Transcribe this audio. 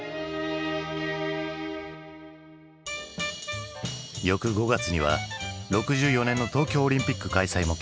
翌５月には６４年の東京オリンピック開催も決定。